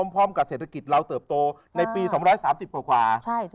พร้อมกับเศรษฐกิจเราเติบโตในปี๒๓๐กว่าใช่